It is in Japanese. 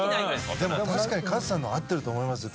でも確かにカズさんのは合ってると思いますよ。